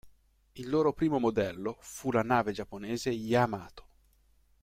Il loro primo modello fu la nave giapponese "Yamato".